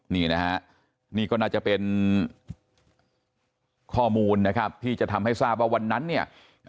นี่นะฮะนี่ก็น่าจะเป็นข้อมูลนะครับที่จะทำให้ทราบว่าวันนั้นเนี่ย